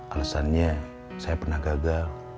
alasannya saya pernah gagal